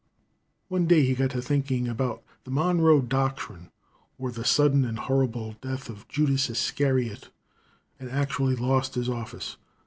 One day he got to thinking about the Monroe doctrine, or the sudden and horrible death of Judas Iscariot, and actually lost his office.